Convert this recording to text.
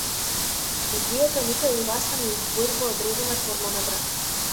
Библијата никаде јасно не издвојува одредена форма на брак.